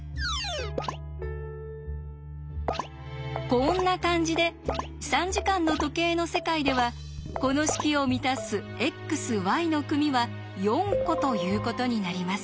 こんな感じで３時間の時計の世界ではこの式を満たすｘｙの組は４個ということになります。